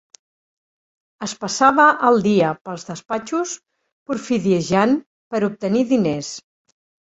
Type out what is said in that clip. Es passava al dia pels despatxos porfidiejant per a obtenir diners.